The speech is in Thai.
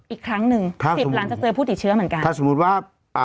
อีกครั้งหนึ่งครับสิบหลังจะเจอผู้ติดเชื้อเหมือนกันถ้าสมมุติว่าอ่า